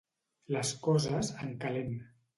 Les coses, en calent.